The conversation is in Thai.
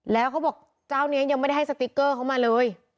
แล้วเขาบอกเจ้านี้ยังไม่ได้ให้สติ๊กเกอร์เขามาเลย